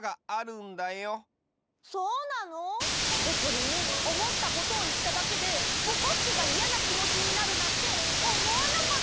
そうなの？でこりんおもったことをいっただけでぼこすけがイヤなきもちになるなんておもわなかった。